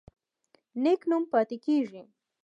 نیک نوم پاتې کیږي